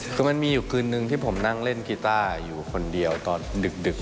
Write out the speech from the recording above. คือมันมีอยู่คืนนึงที่ผมนั่งเล่นกีต้าอยู่คนเดียวตอนดึก